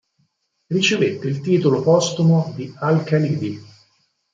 Ricevette il titolo postumo di "Al-Khalidi".